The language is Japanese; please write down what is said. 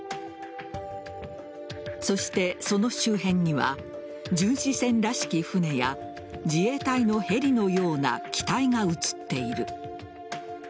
そして、その周辺には巡視船らしき船や自衛隊のヘリのような機体が写っている。